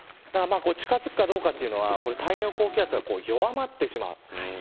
近づくかどうかは太平洋高気圧が弱まってしまう。